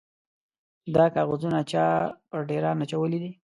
_دا کاغذونه چا پر ډېران اچولي دي؟